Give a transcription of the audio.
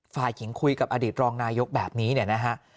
ฝ่ายหญิงคุยกับอดีตรองนายกแบบนี้เนี่ยนะฮะ